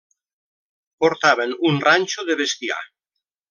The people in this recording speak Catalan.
Portaven un ranxo de bestiar.